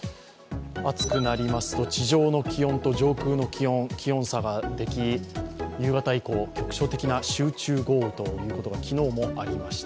暑くなりますと、地上の気温と上空の気温、気温差ができ、夕方以降局所的な集中豪雨が昨日もありました。